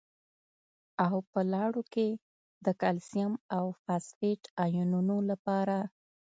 او په لاړو کې د کلسیم او فاسفیټ ایونونو لپاره